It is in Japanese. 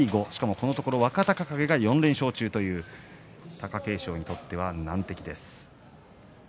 このところ、若隆景が４連勝中という貴景勝にとっては難敵です。